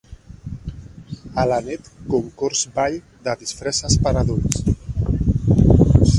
A la nit, concurs-ball de disfresses per adults.